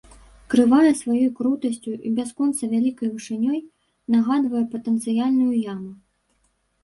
Крывая сваёй крутасцю і бясконца вялікай вышынёй нагадвае патэнцыяльную яму.